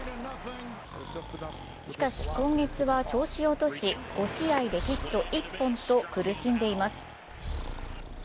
しかし、今月は調子を落とし、５試合でヒット１本と苦しんでいます。